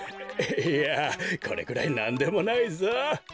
いやこれくらいなんでもないぞ。